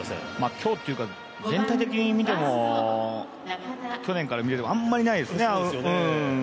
今日というか全体的に見ても、去年から見ていてもあまりないですね。